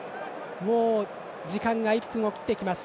もう時間が１分を切っています。